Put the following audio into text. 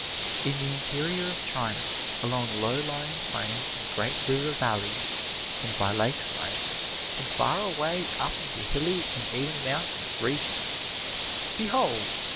In the interior of China, along low lying plains and great river valleys, and by lake sides, and far away up into hilly and even mountainous regions, Behold!